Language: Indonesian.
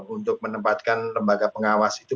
untuk menempatkan lembaga pengawas itu